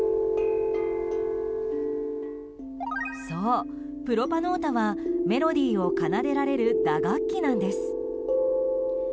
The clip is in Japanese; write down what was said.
そうプロパノータはメロディーを奏でられる打楽器なんです。